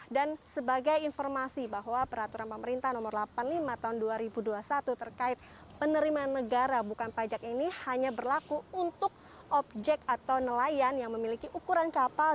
dan sebagai informasi bahwa peraturan pemerintah nomor delapan puluh lima tahun dua ribu dua puluh satu terkait penerimaan negara bukan pajak ini hanya berlaku untuk objek atau nelayan yang memiliki ukuran kapal